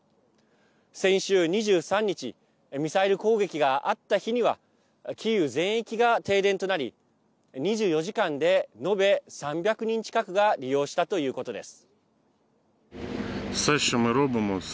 先週２３日ミサイル攻撃があった日にはキーウ全域が停電となり２４時間で延べ３００人近くが利用したということです。